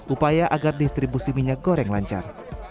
upaya agar distribusi minyak goreng lancar